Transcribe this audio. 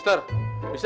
temen di sana